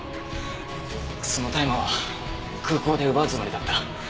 その大麻は空港で奪うつもりだった。